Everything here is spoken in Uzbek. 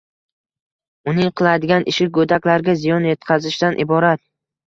Uning qiladigan ishi go‘daklarga ziyon yetkazishdan iborat